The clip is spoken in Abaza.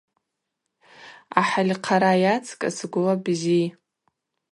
Ъахӏыль хъара йацкӏыс гвла бзи.